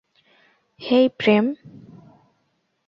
হেই, প্রেম।